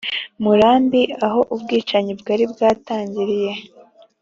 murambi aho ubwicanyi bwari bwatangiye